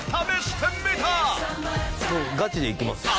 ガチでいきますよ。